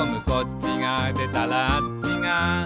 「こっちがでたらあっちが」